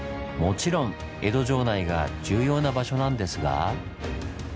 もちろん江戸城内が重要な場所なんですが。